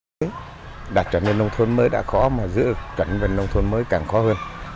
vì vậy đạt chuẩn nông thôn mới đã khó mà giữ chuẩn nông thôn mới càng khó hơn